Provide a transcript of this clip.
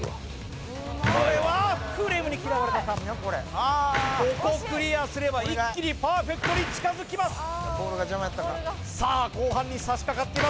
これはフレームに嫌われたかここクリアすれば一気にパーフェクトに近づきますさあ後半にさしかかっています